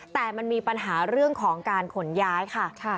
แต่มันมีปัญหาเรื่องของการขนย้ายค่ะ